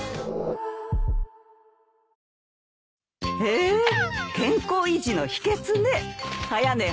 へぇ健康維持の秘訣ね。